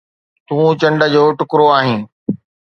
تون چنڊ جو ٽڪرو آهين.